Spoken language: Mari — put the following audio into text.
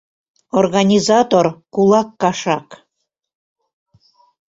Организатор — кулак кашак!